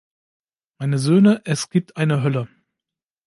Meine Söhne, es gibt eine Hölle.